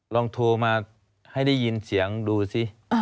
ลองโทรมาให้ได้ยินเสียงดูสิ